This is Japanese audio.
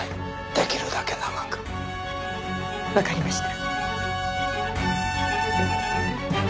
出来るだけ長く。わかりました。